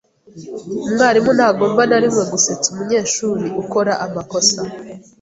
Umwarimu ntagomba na rimwe gusetsa umunyeshuri ukora amakosa.